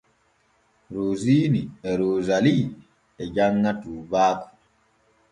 Rosiini e Roosalii e janŋa tuubaaku.